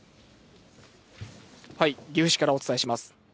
岐阜市からお伝えします。